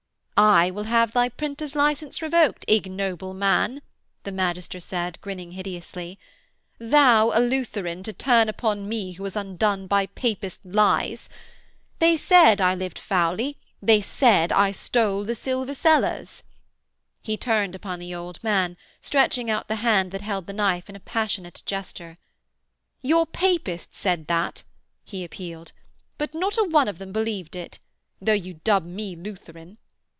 'I will have thy printer's licence revoked, ignoble man,' the magister said, grinning hideously. 'Thou, a Lutheran, to turn upon me who was undone by Papist lies! They said I lived foully; they said I stole the silver cellars....' He turned upon the old man, stretching out the hand that held the knife in a passionate gesture: 'Your Papists said that,' he appealed. 'But not a one of them believed it, though you dub me Lutheran....